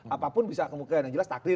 apapun bisa kemungkinan yang jelas takdir